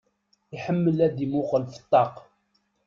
Iḥemmel ad imuqqel f ṭṭaq.